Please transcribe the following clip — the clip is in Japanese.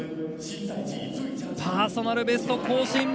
パーソナルベスト更新。